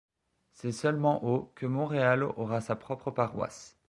C'est seulement au que Montréal aura sa propre paroisse.